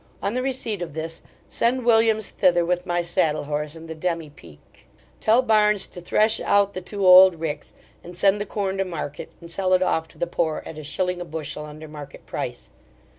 On the receipt of this send Williams thither with my saddle horse and the demi pique. Tell Barns to thresh out the two old ricks, and send the corn to market, and sell it off to the poor at a shilling a bushel under market price.